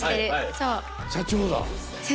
社長だ。